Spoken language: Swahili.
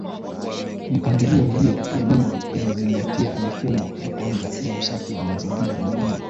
Mipangilio hiyo ya miji ilizingatia mifumo ya kwanza ya usafi wa mazingira mijini